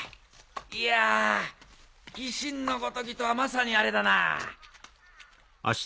いや鬼神のごときとはまさにあれだな。